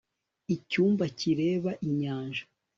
icyumba kireba inyanja